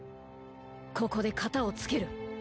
ここでカタをつける。